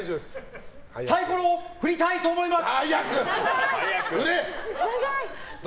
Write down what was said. サイコロを振りたいと思います！